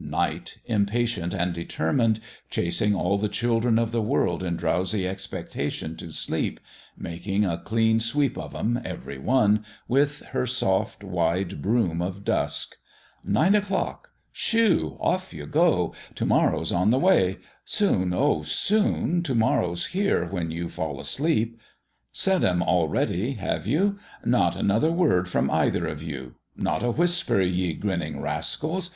Night, impatient and determined, chasing all the children of the world in drowsy expectation to sleep making a clean sweep of 'em, every one, with her soft, wide broom of dusk. " Nine o'clock ? Shoo ! Off you go ! To morrow's on the way. Soon oh, soon ! To morrow's here when you fall asleep. Said 'em already, have you? Not another word from either of you. Not a whis per, ye grinning rascals